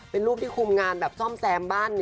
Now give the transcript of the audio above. เป็นรูปที่คุมงานแบบซ่อมแซมบ้าน